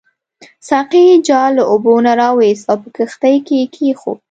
ساقي جال له اوبو نه راوایست او په کښتۍ کې کېښود.